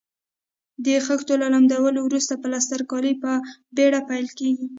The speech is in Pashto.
د خښتو له لمدولو وروسته پلسترکاري په بېړه پیل کیږي.